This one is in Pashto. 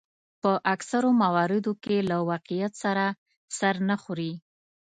په اکثرو مواردو کې له واقعیت سره سر نه خوري.